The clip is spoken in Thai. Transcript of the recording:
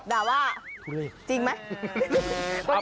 ด่าว่าทุเรศจริงไหม